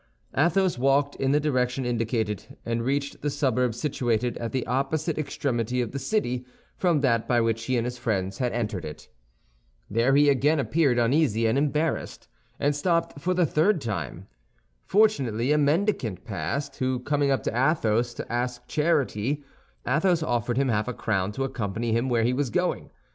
Athos walked in the direction indicated, and reached the suburb situated at the opposite extremity of the city from that by which he and his friends had entered it. There he again appeared uneasy and embarrassed, and stopped for the third time. Fortunately, a mendicant passed, who, coming up to Athos to ask charity, Athos offered him half a crown to accompany him where he was going.